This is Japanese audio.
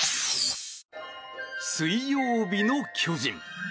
水曜日の巨人。